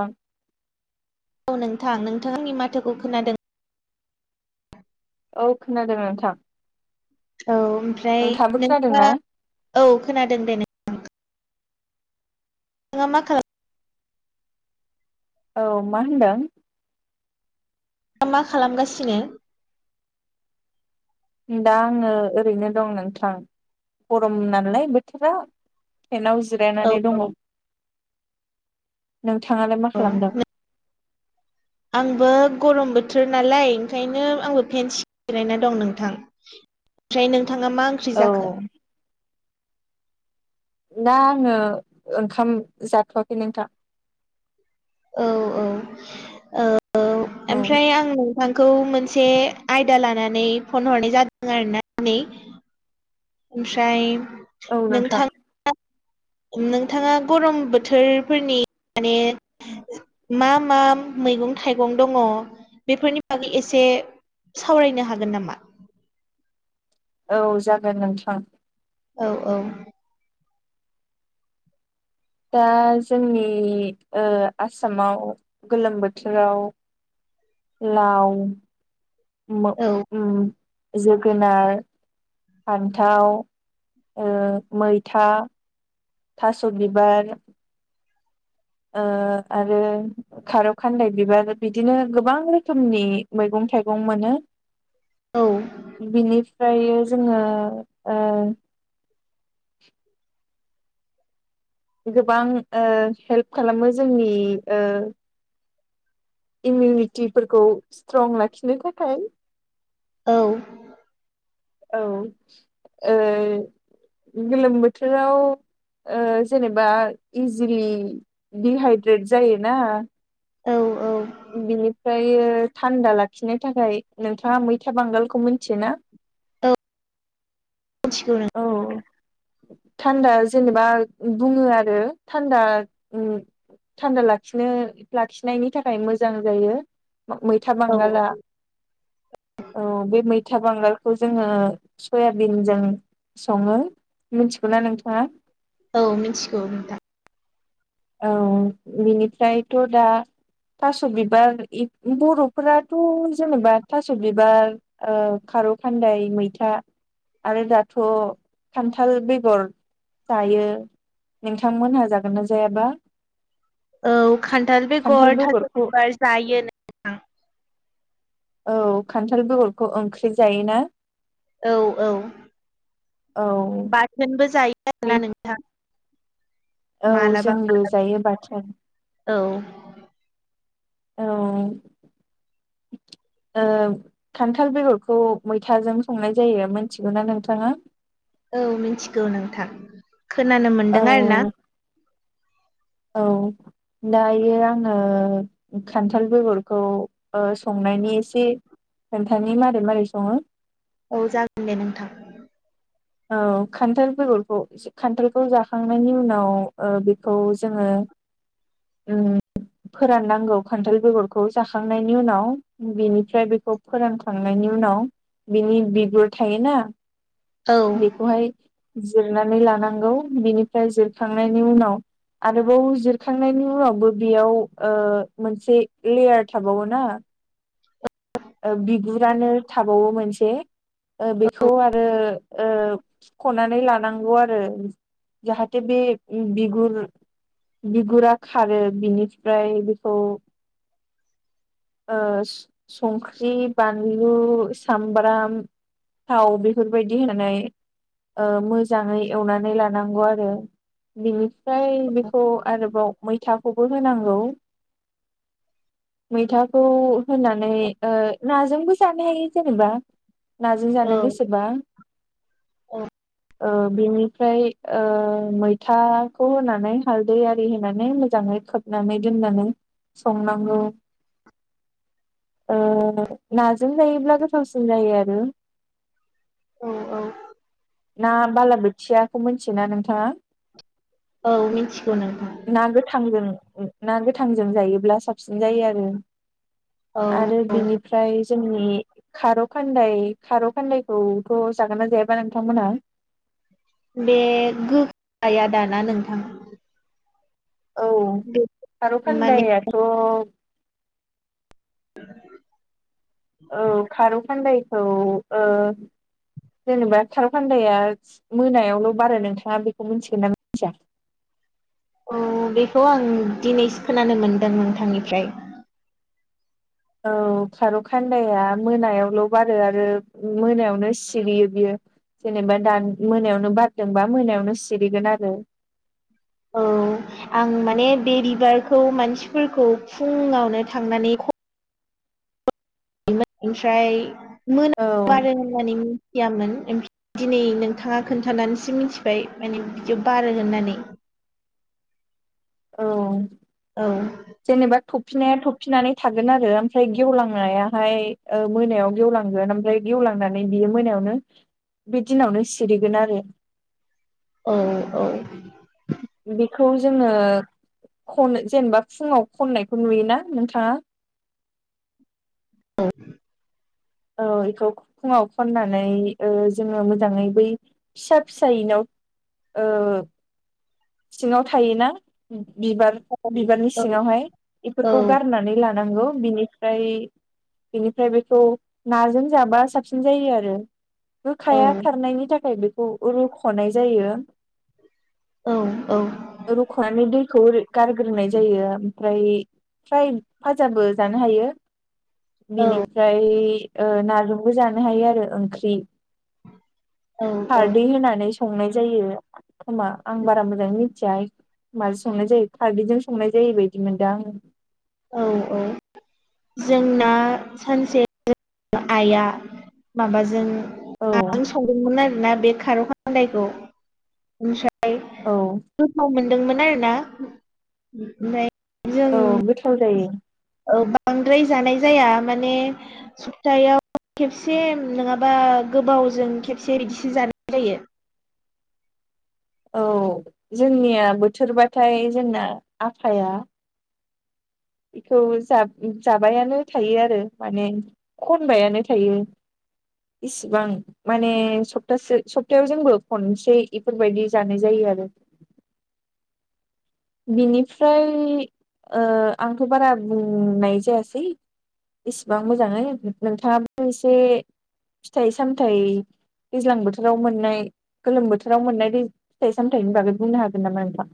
ओं। औ नोंथां नोंथां आंनि माथोखौ खोनादों? औ खोनादों नोंथां। औ ओमफ्राय नोंथाङाबो नोंथाङा खोनादोंना औ खोनादों दे नों थाङा मा खालाम औ मा होनदों? [unintelligible] मा खालामगासिनो? दा आंङो ओरैनो दं नोंथां गरम नालाय बोथोरा फेनाव औ जिरायनानै दङ। औ नोंथाङालाय मा औ खालामदों? [unintelligible] आंबो गरम बोथोर नालाय ओंखायनो आंबो पेन सि जिरायना दं नोंथां। ओमफ्राय नोंथाङा मा ओंख्रि औ। जाखो दा आङो ओंखाम जाथ'वाखै नोंथां। औ औ औ औ ओमफ्राय आं नोंथांखौ मोनसे आयदा लानानै फन हरनाय जादों आरोना [unintelligible] ओमफ्राय औ नोंथां। नोंथाङा गरम बोथोरफोरनि माने मा मा मैगं थाइगं दंङ बेफोरनि बागै एसे सावरायनो हागोन नामा? औ जागोन नोंथां। औ औ। दा जोंनि ओ आसामाव गोलोम बोथोराव लाव मो औ उम जोगोनार फान्थाव ओ मैथा थास' बिबार ओ आरो खार खान्दाय बिबार बिदिनो गोबां रोखोमनि मैगं थाइ गं मोनो। औ बिनिफ्रायो जोङो ओ गोबां ओ हेल्प खालामो जोंनि ओ इमिउनिटिफोरखौ स्ट्रं लाखिनो थाखाय औ। औ ओ गोलोम बोथोराव ओ जेनोबा इजिलि दिहाइद्रेट जायोना। औ औ। बिनिफ्रायो थान्दा लाखिनो थाखाय, नोंथाङा मैथा बांगालखौ मिथियोना? [unintelligible] औ मिथिगौ औ। थान्दा जेनोबा बुङो आरो थान्दा उम थान्दा लाखिनो लाखिनायनि था खाय मोजां जायो मै मैथा औ बांगला। औ बे मैथा बांगालखौ जोङो सयाबिनजों सङो। मिथिगौ ना नोंथाङा? औ मिथिगौ नोंथां। औ बिनिफ्रायथ' दा थास' बिबार बर'फोराथ' जेनेबा थास' बिबार ओ खारौ खान्दाय मैथा आरो दाथ' खान्थाल बेगर जायो। नोंथांमोनहा जागोन ना जायाबा? औ खान्थाल खान्थाल बेगर थास' बेगरखौ बिबार जायो नोंथां। औ खान्थाल बेगरखौ ओंख्रि जायोना। औ-औ औ बाथोनबो जायो बे आरोना नोंथां। औ मालाबा जोंबो मालाबा जायो बाथोन औ। औ ओ खान्थाल बेगरखौ मैथाजों संनाय जायो मोनथिगौना नोंथाङा। औ मिथिगौ नोंथां खोनानो मोनदों आरोना औ औ दायो आङो खान्थाल बेगरखौ ओ संनायनि एसे खोनथानि मारै-मारै सङो। औ जागोन दे नोंथां। औ खान्थाल बेगरखौ खान्थालखौ जाखांनायनि उनाव ओ बेखौ जोङो उम फोराननांगौ खान्थाल बेगरखौ जाखांनायनि उनाव बिनिफ्राय बेखौ फोरानखांनायनि उनाव बिनि बिगुर थायोना। औ बेखौहाय जिरनानै लानांगौ बिनिफ्राय जिरखांनायनि उनाव आरोबाव जिरखांनायनि उनावबो बेयाव ओ मोनसे लेयार थाबावो ना। ओ बिगुरानो थाबावो मोनसे ओ बेखौ आरो ओ हुख'ननानै लानांगौ आरो। जाहाथे बे बिगुर बिगुरा खारो बिनिफ्राय बेखौ ओ संख्रि बानलु सामब्राम थाव बेफोरबायदि होनानै ओ मोजाङै एवनानै लानांगौ आरो बिनिफ्राय बेखौ आरोबाव मैथाखौबो होनांगौ। [unintelligible] मैथाखौ होनानै ओ नाजोंबो जानो हायो जेनेबा नाजों औ जानो गोसोबा [unintelligible] औ ओ बिनिफ्राय ओ मैथाखौ होनानै हालदै आरि होनानै मोजाङै खोबनानै दोननानै संनांगौ। ओ नाजोंजायोब्ला गोथावसिन जायो आरो। औ औ। ना बालाबोथियाखौ मिथियोना नोंथाङा? औ मिथिगौ नोंथां। ना गोथांजों ना गोथांजों जायोब्ला साबसिन जायो आरो नोंथां। औ आरो बिनिफ्राय जोंनि खार' खान्दाय खार' खान्दायखौथ' जागोन ना जायाबा नोंथांमोनहा? बे गोहाया दाना नोंथां। औ बे खारौ माने खान्दायाथ' [unintelligible] औ खारौ खान्दायखौ ओ जेनेबा खारौ खान्दाया मोनायावल' बारा नोंथाङा बेखौ मिथिगोन ना मिथिया? औ बेखौ आं दिनैसो खोनानो मोनदों नोंथांनिफ्राय। औ खार' खान्दाया मोनायावल' बारो आरो मोनायावनो सिरियो बियो। जेनेबा दा मोनायावनो बारदोंबा मोनायावनो सिरिगोन आरो। औ आं माने बे बिबार खौ मानसिफोर खौ फुङावनो थांनानै ख ओमफ्राय औ मोनामार होननानै मिथियामोन दिनै नोंथाङा खोन्थानानैसो मिन्थिबाय माने बिदि बारो होननानै। औ। औ। जेनेबा थफिनाया थफिनानै थागोन आरो ओमफ्राय गेवलांनायाहाय ओ मोनायाव गेवलांगोन, ओमफ्राय गेवलांनानै बियो मोनायावनो बे दिनावनो सिरिगोन आरो। औ औ। बेखौ जोङो खनो जेनेबा फुङाव खननायखौ नुयोना नोंथाङा? औ। औ एखौ फुङाव खननानै, ओ जोङो मोजाङै बै फिसा फिसायैनाव ओ सिङाव थायोना बिबार बिबारनि सिङावहाय एफोरखौ औ गारना नानै लानांगौ, बेनिफ्राय बेनिफ्राय बेखौ नाजों जाबा साब सिन जायो आरो औ गोखाया खारनायनि थाखाय बेखौ रुख'नाय जायो। औ औ। रुख'नानै दैखौ ओरै गारग्रोनाय जायो। फ्राय फ्राय फाजाबो जानो हायो बिनिफ्राय ओ नाजोंबो जानो हायो आरो ओंख्रि, औ खारदै होनानै संनाय जायो खोमा, आं बारा मोजाङै मिथिया माजों संनाय जायो खारदैजों संनाय जायो बायदि मोनदां आङो। औ औ जोंना, सानसे आइआ माबाजों औ नाजों संदोंमोन आरोना बे खार' खान खान्दायखौ ओमफ्राय औ। गोथाव मोनदोंमोन आरो ना आमफाय जों औ गोथाव जायो औ बांद्राय जानाय जाया माने थायाव खेबसे नङाबा गोबावजों खेबसे इदिसो जानाय जायो। औ, जोंनिया बोथोरबाथाय जोंना आफाया बिखौ जाब-जाबायानो थायो आरो माने खनबायानो थायो। इसिबां माने सप्तासे सप्तायाव जोंबो खनसे इफोरबायदि जानाय जायो आरो। बिनिफ्राय ओ आंथ' बारा बुं नाय जायासै एसेबां मोजाङै नोंथाङाबो एसे फिथाइ सामथाय दैज्लां बोथोराव मोननाय गोलोम बोथोराव मोननाय बे फिथाइ सामथाइनि बागै बुंनो हागोन नामा नोंथां?